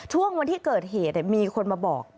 ช่วงวันที่เกิดเหตุมีคนมาบอก